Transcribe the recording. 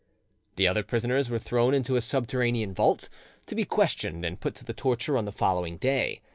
The other prisoners were thrown into a subterranean vault, to be questioned and put to the torture on the following day.